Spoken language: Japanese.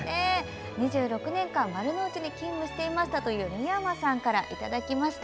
２６年間丸の内に勤務していたという三山さんからいただきました。